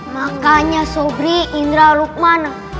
makanya sobri indra lukman